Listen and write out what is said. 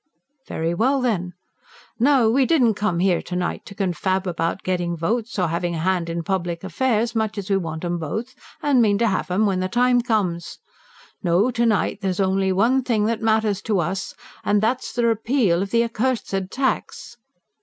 Very well, then. Now we didn't come here to night to confab about getting votes, or having a hand in public affairs much as we want 'em both and mean to have 'em, when the time comes. No, to night there's only one thing that matters to us, and that's the repeal of the accursed tax!"